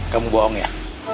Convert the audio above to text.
kamu bohong ya